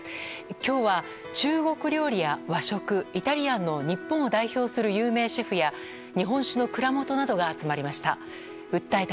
今日は中国料理や和食イタリアンの日本を代表する有名シェフや日本酒の蔵元などが集まりました。